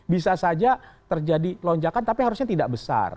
bisa saja terjadi lonjakan tapi harusnya tidak besar